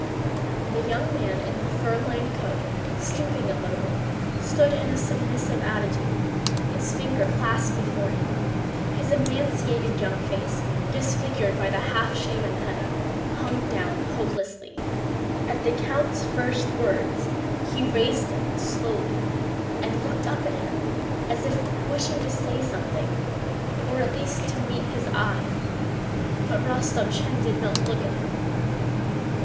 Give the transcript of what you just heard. The young man in the fur lined coat, stooping a little, stood in a submissive attitude, his fingers clasped before him. His emaciated young face, disfigured by the half shaven head, hung down hopelessly. At the count's first words he raised it slowly and looked up at him as if wishing to say something or at least to meet his eye. But Rostopchín did not look at him.